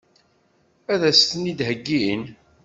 Ad as-ten-id-heggin?